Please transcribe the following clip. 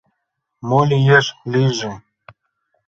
Мо лиеш... лийже!»